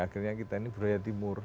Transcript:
akhirnya kita ini budaya timur